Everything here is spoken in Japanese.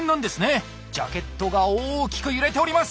ジャケットが大きく揺れております！